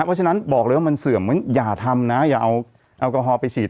เพราะฉะนั้นบอกเลยว่ามันเสื่อมเหมือนอย่าทำนะอย่าเอาแอลกอฮอลไปฉีด